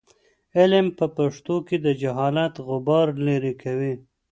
علم په پښتو کې د جهالت غبار لیرې کوي.